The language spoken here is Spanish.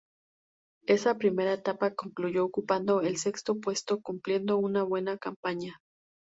Esa primera etapa concluyó ocupando el sexto puesto, cumpliendo una buena campaña.